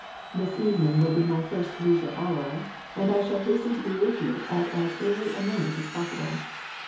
This evening will be my first leisure hour, and I shall hasten to be with you at as early a moment as possible.